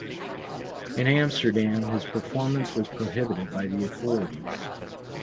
In Amsterdam his performance was prohibited by the authorities.